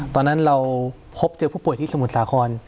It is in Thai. ตอนนั้นเราพบเจอผู้ป่วยที่สมุทรสาคร